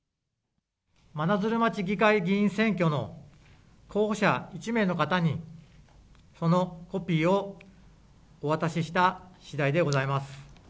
真鶴町議会議員選挙の候補者１名の方に、そのコピーをお渡しした次第でございます。